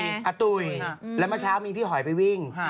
อาตุ๋ยแล้วเมื่อเช้ามีพี่หอยไปวิ่ง